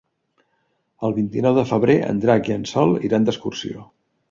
El vint-i-nou de febrer en Drac i en Sol iran d'excursió.